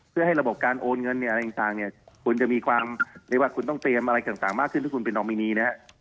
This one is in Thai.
เพื่อให้ระบบการโอนเงินในอันนี้คุณจะมีความหรือว่าคุณต้องเตรียมอะไรต่างมากขึ้นถ้าคุณเป็นดอมินีนะ